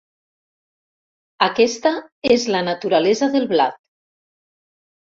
Aquesta és de la naturalesa del blat.